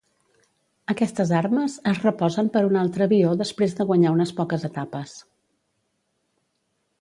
Aquestes armes es reposen per un altre avió després de guanyar unes poques etapes.